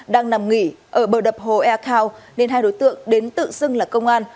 đang nằm nghỉ ở bờ đập hồ ecun nên hai đối tượng đến tự xưng là công an